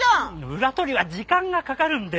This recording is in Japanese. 裏取りは時間がかかるので。